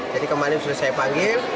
jadi kemarin sudah saya panggil